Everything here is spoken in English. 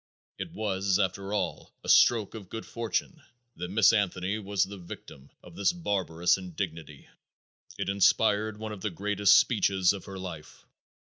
It was, after all, a stroke of good fortune that Miss Anthony was the victim of this barbarous indignity. It inspired one of the greatest speeches of her life.